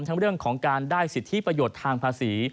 ทั้งเรื่องของการได้สิทธิประโยชน์ทางภาษี